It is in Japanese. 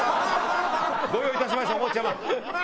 ご用意いたしましたおぼっちゃま。